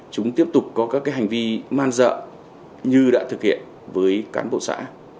chúng tiếp tục có các hành vi man dợ như đã thực hiện với cán bộ xã